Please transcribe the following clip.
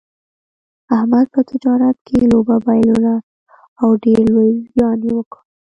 احمد په تجارت کې لوبه بایلوله او ډېر لوی زیان یې وکړ.